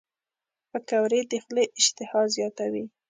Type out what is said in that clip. پکورې د خولې اشتها زیاتوي